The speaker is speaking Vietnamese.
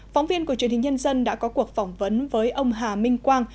phóng viên của truyền hình nhân dân đã có cuộc phỏng vấn với ông hà minh quang